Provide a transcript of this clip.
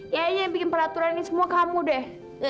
yaya bikin peraturan ini semua kamu deh